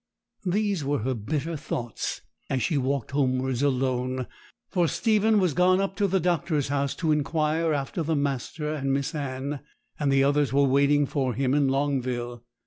These were her bitter thoughts as she walked homewards alone, for Stephen was gone up to the doctor's house to inquire after the master and Miss Anne, and the others were waiting for him in Longville.